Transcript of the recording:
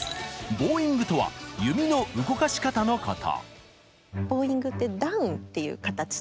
ボウイングとは弓の動かし方のこと。